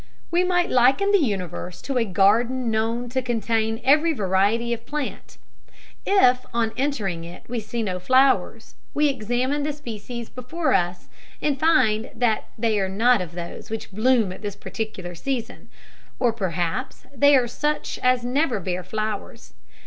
We might liken the universe to a garden known to contain every variety of plant. If on entering it we see no flowers, we examine the species before us and find that they are not of those which bloom at this particular season, or perhaps they are such as never bear flowers.